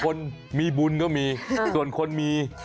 คนมีบุญก็มีส่วนคนมี